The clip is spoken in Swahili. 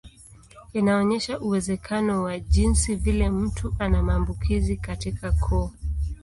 Inaonyesha uwezekano wa jinsi vile mtu ana maambukizi katika koo.